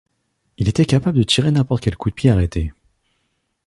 Il était capable de tirer n'importe quel coup de pied arrêté.